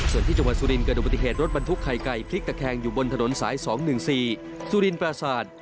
ส่วนที่จังหวัดสุรินเกิดดูปฏิเหตุรถบรรทุกไข่ไก่พลิกตะแคงอยู่บนถนนสาย๒๑๔สุรินปราศาสตร์